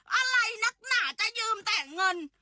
อะไรนักหนาจะยืมแต่เงิน